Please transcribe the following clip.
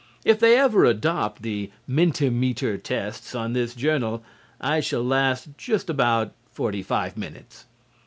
If they ever adopt the "menti meter tests" on this journal I shall last just about forty five minutes.